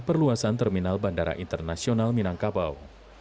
perluasan terminal bandara internasional minangkabau